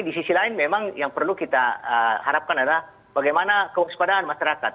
di sisi lain memang yang perlu kita harapkan adalah bagaimana kewaspadaan masyarakat